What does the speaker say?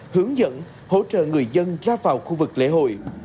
hướng dẫn hỗ trợ người dân ra vào khu vực lễ hội